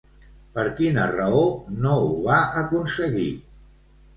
Per quina raó no ho va aconseguir?